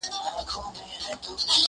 هم ښکنځلي پکښي وسوې هم جنګونه٫